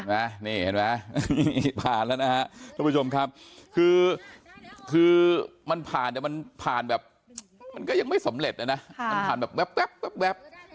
นี่เห็นไหมผ่านแล้วนะฮะทุกผู้ชมครับคือมันผ่านแต่มันผ่านแบบมันก็ยังไม่สำเร็จอะนะ